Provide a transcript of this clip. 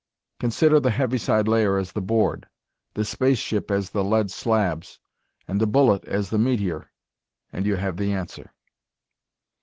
Consider the heaviside layer as the board, the space ship as the lead slabs and the bullet as the meteor and you have the answer.